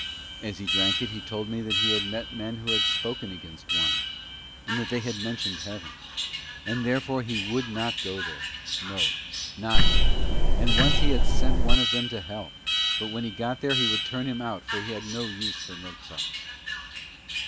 As he drank it he told me that he had met men who had spoken against wine, and that they had mentioned Heaven; and therefore he would not go there no, not he; and that once he had sent one of them to Hell, but when he got there he would turn him out, and he had no use for milksops.